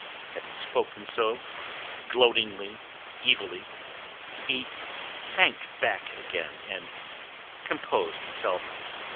Having spoken so, gloatingly, evilly, he sank back again, and composed himself.